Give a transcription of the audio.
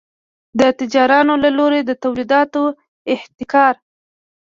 د تجارانو له لوري د تولیداتو احتکار.